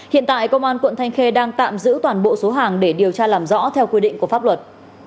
hiện tại công an quận thanh khê đang tạm giữ toàn bộ số hàng để điều tra làm rõ theo quy định của pháp luật